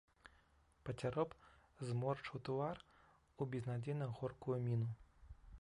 Пацяроб зморшчыў твар у безнадзейна горкую міну.